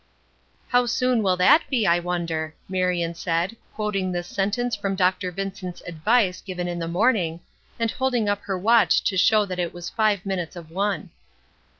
"How soon will that be, I wonder?" Marion said, quoting this sentence from Dr. Vincent's advice given in the morning, and holding up her watch to show that it was five minutes of one.